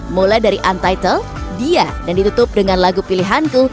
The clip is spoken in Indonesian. mulai dari untitled dia dan ditutup dengan lagu pilihanku